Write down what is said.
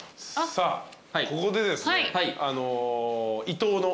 さあここでですね。